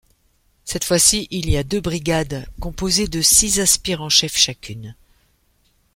Cette fois-ci, il y a deux brigades, composées de six aspirants-chefs chacune.